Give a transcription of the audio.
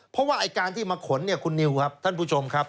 เพราะว่าไอ้การที่มาขนเนี่ยคุณนิวครับท่านผู้ชมครับ